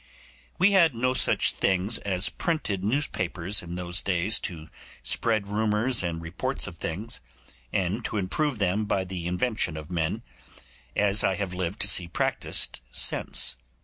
We had no such thing as printed newspapers in those days to spread rumours and reports of things, and to improve them by the invention of men, as I have lived to see practised since.